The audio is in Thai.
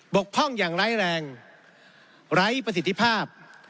กพร่องอย่างไร้แรงไร้ประสิทธิภาพ